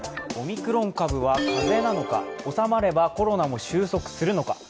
オミクロン株は風邪なのか、収まればコロナも収束するのか。